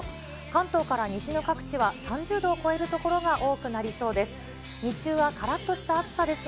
関東から西の各地は３０度を超える所が多くなりそうです。